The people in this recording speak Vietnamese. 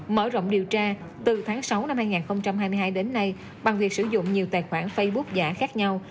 mở rộng điều tra từ tháng sáu năm hai nghìn hai mươi hai đến nay bằng việc sử dụng nhiều tài khoản facebook giả khác nhau